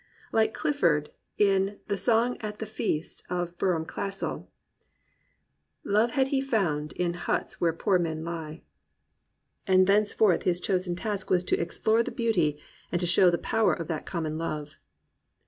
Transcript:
Like Clifford, in the Song at the Feast of Brougham Castle, "Love had he found in huts where poor men lie," 220 THE RECOVERY OF JOY and thenceforth his chosen task was to explore the beauty and to show the power of that common love.